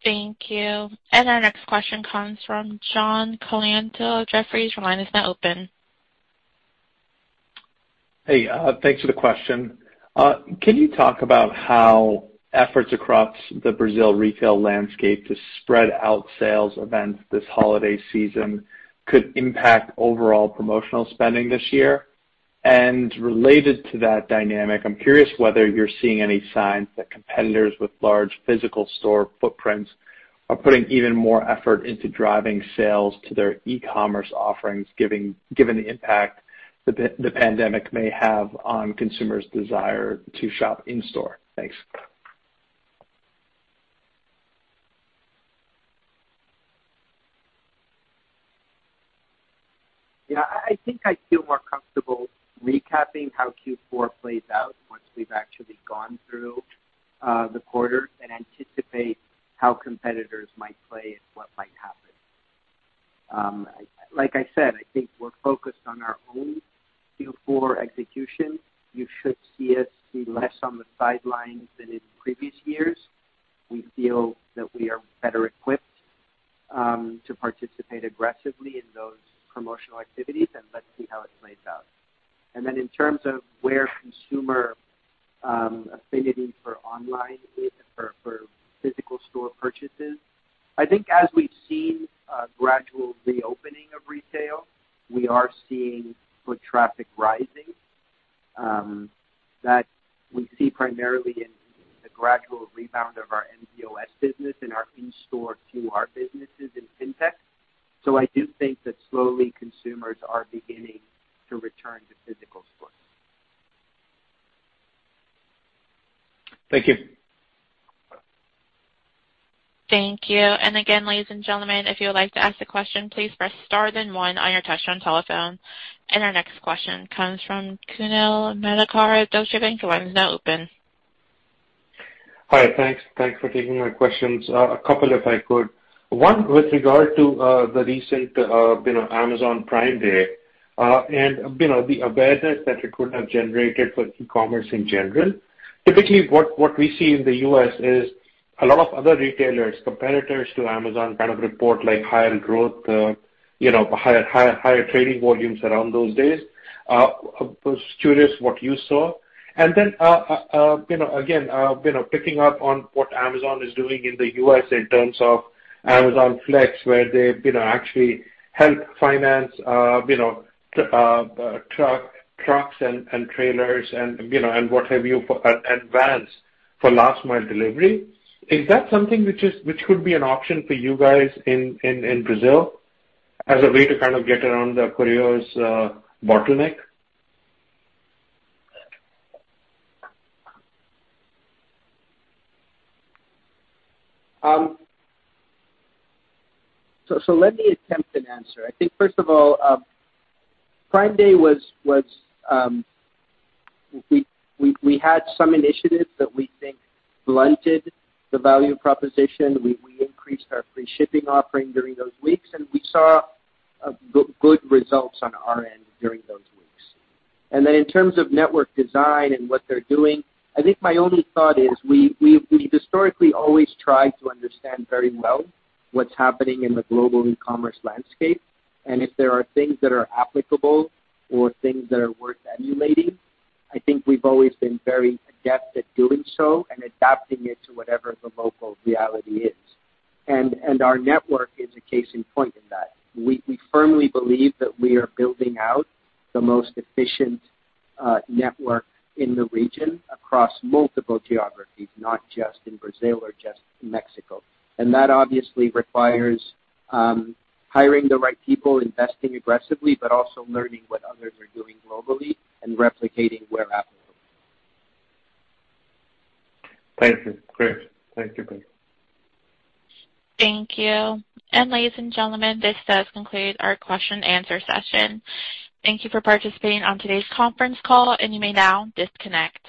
Our next question comes from John Colantuoni, Jefferies, your line is now open. Hey, thanks for the question. Can you talk about how efforts across the Brazil retail landscape to spread out sales events this holiday season could impact overall promotional spending this year? Related to that dynamic, I'm curious whether you're seeing any signs that competitors with large physical store footprints are putting even more effort into driving sales to their e-commerce offerings, given the impact the pandemic may have on consumers' desire to shop in-store. Thanks. I think I'd feel more comfortable recapping how Q4 plays out once we've actually gone through the quarter and anticipate how competitors might play and what might happen. Like I said, I think we're focused on our own Q4 execution. You should see us be less on the sidelines than in previous years. We feel that we are better equipped to participate aggressively in those promotional activities, and let's see how it plays out. In terms of where consumer affinity for online is for physical store purchases, I think as we've seen gradual reopening of retail, we are seeing foot traffic rising, that we see primarily in the gradual rebound of our mPOS business and our in-store QR businesses in FinTech. I do think that slowly consumers are beginning to return to physical stores. Thank you. Thank you. Again, ladies and gentlemen, if you would like to ask a question, please press star then one on your touchtone telephone. Our next question comes from Kunal Madhukar, Deutsche Bank, the line is now open. Hi. Thanks for taking my questions. A couple, if I could. One, with regard to the recent Amazon Prime Day, and the awareness that it could have generated for e-commerce in general. Typically, what we see in the U.S. is a lot of other retailers, competitors to Amazon, kind of report like higher growth, higher trading volumes around those days. I was curious what you saw. Again, picking up on what Amazon is doing in the U.S. in terms of Amazon Flex, where they actually help finance trucks and trailers and what have you, and vans for last mile delivery. Is that something which could be an option for you guys in Brazil as a way to kind of get around the couriers bottleneck? Let me attempt an answer. First of all, Prime Day, we had some initiatives that we think blunted the value proposition. We increased our free shipping offering during those weeks, and we saw good results on our end during those weeks. In terms of network design and what they're doing, my only thought is we historically always try to understand very well what's happening in the global e-commerce landscape. If there are things that are applicable or things that are worth emulating, we've always been very adept at doing so and adapting it to whatever the local reality is. Our network is a case in point in that. We firmly believe that we are building out the most efficient network in the region across multiple geographies, not just in Brazil or just in Mexico. That obviously requires hiring the right people, investing aggressively, but also learning what others are doing globally and replicating where applicable. Thank you. Great. Thank you. Thank you. Ladies and gentlemen, this does conclude our question-answer session. Thank you for participating on today's conference call, and you may now disconnect.